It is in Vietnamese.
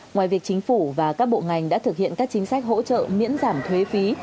ngoài việc chính phủ và các bộ ngành đã thực hiện các chính sách hỗ trợ miễn giảm thuế phí